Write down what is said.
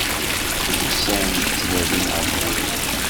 Usan-d, ttnadin ɣef wuguren.